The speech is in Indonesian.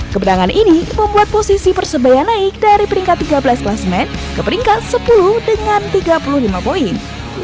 kebenangan ini membuat posisi persebaya naik dari peringkat tiga belas klasmen ke peringkat sepuluh dengan tiga puluh lima poin